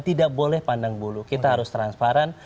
tidak boleh pandang bulu kita harus transparan